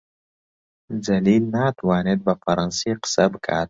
جەلیل ناتوانێت بە فەڕەنسی قسە بکات.